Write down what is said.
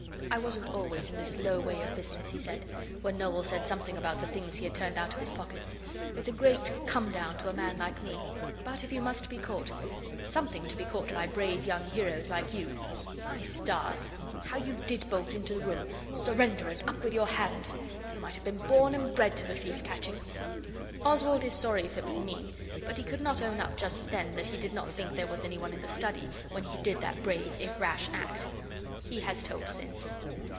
'I wasn't always in this low way of business,' he said, when Noel said something about the things he had turned out of his pockets. 'It's a great come down to a man like me. But, if I must be caught, it's something to be caught by brave young heroes like you. My stars! How you did bolt into the room, "Surrender, and up with your hands!" You might have been born and bred to the thief catching.' Oswald is sorry if it was mean, but he could not own up just then that he did not think there was any one in the study when he did that brave if rash act. He has told since.